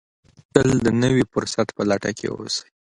تل د نوي فرصت په لټه کې اوسئ.